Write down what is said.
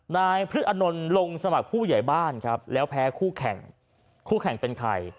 พฤษอนนท์ลงสมัครผู้ใหญ่บ้านครับแล้วแพ้คู่แข่งคู่แข่งเป็นใคร